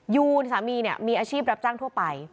ยูนสามีมีอาชีพรับจ้างทั่วไป